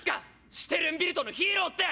シュテルンビルトのヒーローって！！